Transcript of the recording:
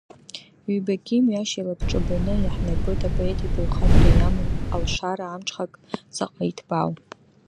Ҩбагьы, имҩашьо илабҿабаны иаҳнарбоит апоет ибаҩхатәра иамоу, алшара амҽхак заҟа иҭбаау.